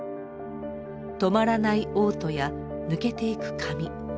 止まらない嘔吐や抜けていく髪。